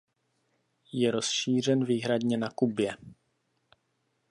Je rozšířen výhradně na Kubě.